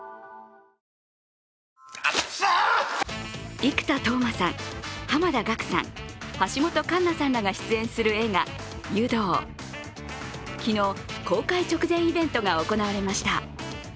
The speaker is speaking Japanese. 生田斗真さん、濱田岳さん、橋本環奈さんらが出演する映画「湯道」、昨日、公開直前イベントが行われました。